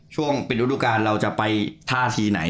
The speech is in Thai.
ช่วงปิดอุตการณ์เราจะไปท่าทีไหน